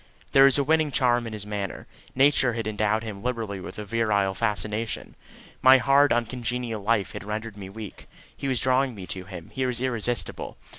There was a winning charm in his manner. Nature had endowed him liberally with virile fascination. My hard uncongenial life had rendered me weak. He was drawing me to him; he was irresistible.